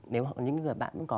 nếu những bạn cũng có